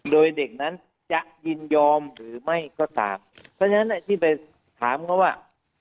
โดยเด็กนั้นจะยินยอมหรือไม่ก็ตามเพราะฉะนั้นที่ไปถามเขาว่า